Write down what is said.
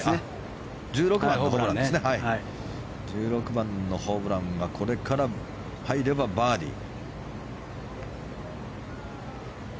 １６番のホブランはこれが入ればバーディー。